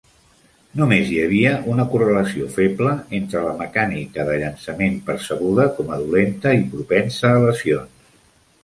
Només hi havia una correlació feble entre la mecànica de llançament percebuda com a dolenta i propensa a lesions.